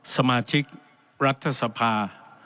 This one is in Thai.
สมาชิกรัฐสภา